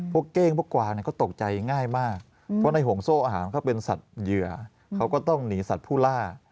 เก้งพวกกวางเขาตกใจง่ายมากเพราะในห่วงโซ่อาหารเขาเป็นสัตว์เหยื่อเขาก็ต้องหนีสัตว์ผู้ล่า